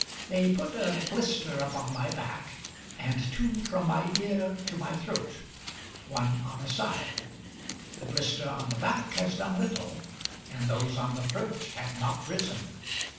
They put a blister upon my back, and two from my ear to my throat, one on a side. The blister on the back has done little, and those on the throat have not risen.